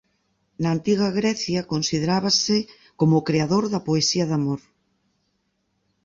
Na antiga Grecia considerábase como o creador da poesía de amor.